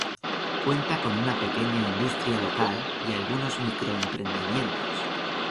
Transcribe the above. Cuenta con una pequeña industria local y algunos micro emprendimientos.